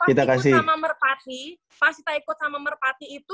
kita itu pas ikut sama merpati pas kita ikut sama merpati itu